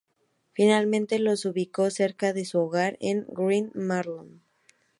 Finalmente los ubicó cerca de su hogar, en Great Marlow.